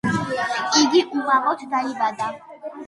იგი უმამოდ დაიბადა.